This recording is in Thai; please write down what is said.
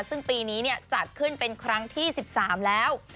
ซึ่งปีนี้จัดขึ้นเป็นครั้งที่๑๓แล้ว